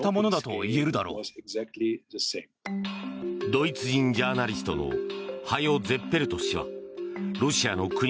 ドイツ人ジャーナリストのハヨ・ゼッペルト氏はロシアの国